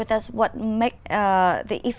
chúng ta có thể